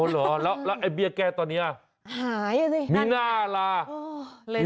โหหรอแล้วเบี้ยแก้ตอนนี้มีหน้าหลาก